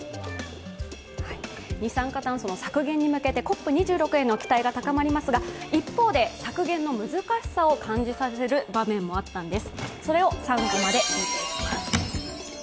二酸化炭素の削減に向けてＣＯＰ２６への期待が高まりますが、一方で削減の難しさを感じさせる場面もあったんです。